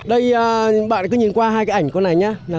đây bạn cứ nhìn qua hai cái ảnh con này nhé